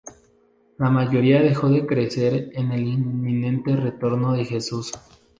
La mayoría dejó de creer en el inminente retorno de Jesús.